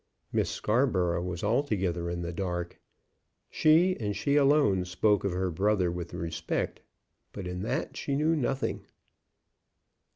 Miss Scarborough was altogether in the dark. She, and she alone, spoke of her brother with respect, but in that she knew nothing.